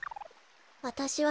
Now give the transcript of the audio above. わたしはね